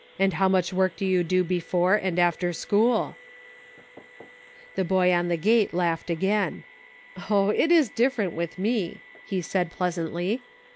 and how much work do you do before and after school .'" The boy on the gate laughed again. " Oh ! it is different with me," he said, pleasantly.